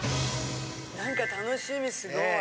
何か楽しみすごい。